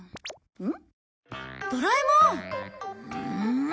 うん？